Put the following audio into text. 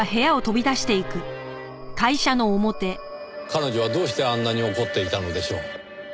彼女はどうしてあんなに怒っていたのでしょう？